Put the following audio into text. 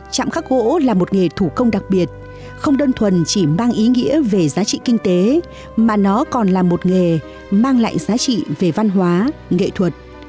chạm khắc gỗ là một nghề thủ công đặc biệt không đơn thuần chỉ mang ý nghĩa về giá trị kinh tế mà nó còn là một nghề mang lại giá trị về văn hóa nghệ thuật